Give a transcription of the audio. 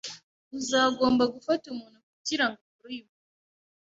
Uzagomba gufata umuntu kugirango akore uyu murimo.